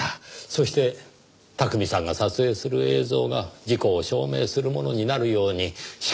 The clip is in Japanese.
そして巧さんが撮影する映像が事故を証明するものになるように仕組んだ。